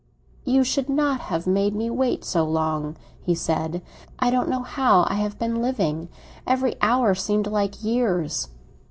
"You should not have made me wait so long," he said. "I don't know how I have been living; every hour seemed like years.